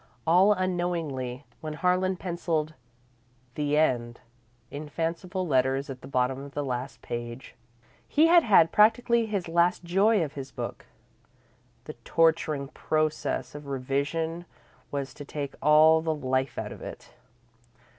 All unknowingly, when Harlan pencilled: "The End," in fanciful letters at the bottom of the last page, he had had practically his last joy of his book. The torturing process of revision was to take all the life out of it.